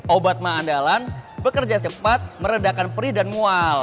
obat ma andalan bekerja cepat meredakan perih dan mual